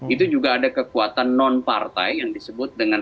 itu juga ada kekuatan non partai yang disebut dengan